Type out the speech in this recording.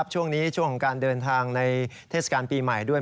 ช่วงนี้ช่วงของการเดินทางในเทศกาลปีใหม่ด้วย